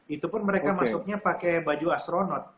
itu pun mereka masuknya pakai baju astronot